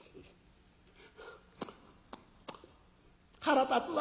「腹立つわ。